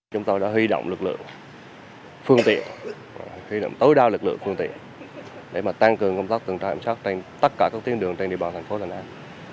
chúng tôi đã huy động lực lượng phương tiện huy động tối đa lực lượng phương tiện để mà tăng cường công tác tình trạng ẩm sát trên tất cả các tuyến đường trên địa bàn thành phố đà nẵng